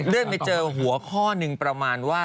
ได้ไปเจอหัวข้อหนึ่งประมาณว่า